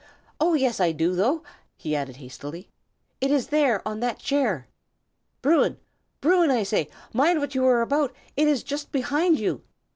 Oh, yes, I do, though!" he added hastily. "It is there, on that chair. Bruin! Bruin, I say! mind what you are about. It is just behind you."